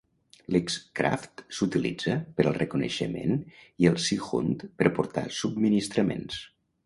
L'"X-craft" s'utilitzava per al reconeixement i el "Seehund" per portar subministraments.